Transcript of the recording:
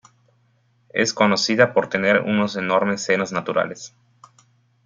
Es conocida por tener unos enormes senos naturales.